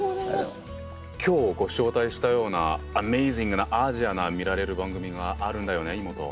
今日ご紹介したようなアメージングなアジアが見られる番組があるんだよねイモト。